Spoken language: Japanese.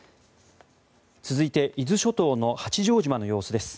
続いて伊豆諸島の八丈島の様子です。